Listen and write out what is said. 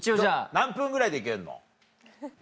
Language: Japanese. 何分ぐらいで行けんの？